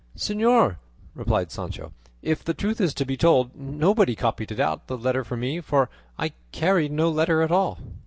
"Señor," replied Sancho, "if the truth is to be told, nobody copied out the letter for me, for I carried no letter at all."